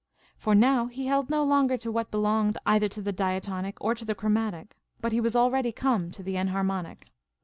For now he held no longer to what belonged either to the diatonic or to the chromatic, but lie was already come to the enharmonic.